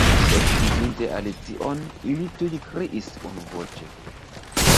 Ekvidinte Alicion, ili tuj kriis unuvoĉe.